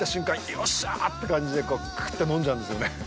よっしゃーって感じでクーっと飲んじゃうんですよね。